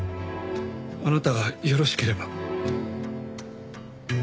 あなたがよろしければ。